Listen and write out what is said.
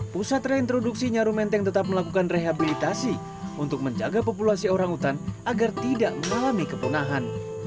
pusat reintroduksi nyaru menteng tetap melakukan rehabilitasi untuk menjaga populasi orang hutan agar tidak mengalami kepunahan